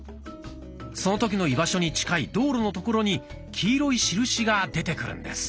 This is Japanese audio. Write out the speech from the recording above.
その時の居場所に近い道路の所に黄色い印が出てくるんです。